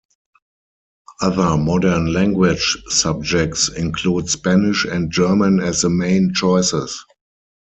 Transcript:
Other modern language subjects include Spanish and German as the main choices.